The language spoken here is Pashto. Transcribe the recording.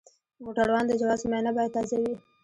د موټروان د جواز معاینه باید تازه وي.